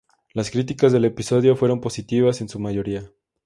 Las críticas del episodio fueron positivas en su mayoría.